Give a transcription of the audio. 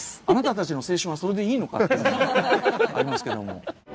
あなたたちの青春はそれでいいのかっていうのもありますけども。